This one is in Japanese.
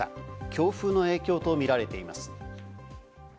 強風の影響とみられています。